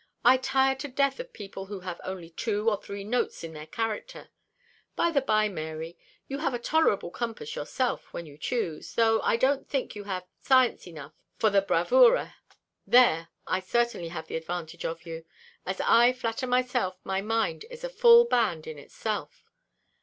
I tire to death of people who have only two or three notes in their character. By the bye, Mary, you have a tolerable compass yourself, when you choose, though I don't think you have science enough for a bravura; there I certainly have the advantage of you, as I flatter myself my mind is a full band in itself.